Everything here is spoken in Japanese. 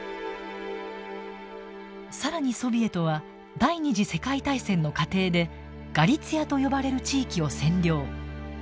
更にソビエトは第二次世界大戦の過程でガリツィアと呼ばれる地域を占領。